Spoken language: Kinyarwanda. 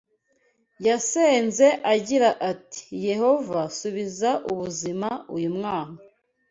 yasenze agira ati Yehova subiza ubuzima uyu mwana